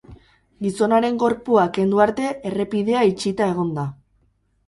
Gizonaren gorpua kendu arte errepidea itxita egon da.